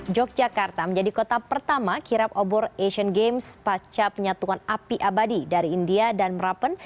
yogyakarta menjadi kota pertama kirap obor asian games pasca penyatuan api abadi dari india dan merapen